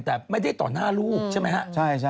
แต่ไม่ได้ต่อหน้าลูกใช่ไหมฮะ